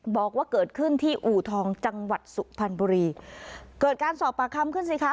บอกว่าเกิดขึ้นที่อู่ทองจังหวัดสุพรรณบุรีเกิดการสอบปากคำขึ้นสิคะ